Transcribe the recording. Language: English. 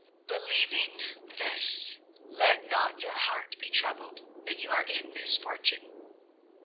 "Believing this, let not your heart be troubled that you are in misfortune.